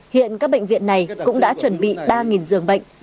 hiện các bệnh viện này cũng đã chuẩn bị ba giường bệnh